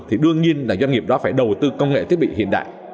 thì đương nhiên là doanh nghiệp đó phải đầu tư công nghệ thiết bị hiện đại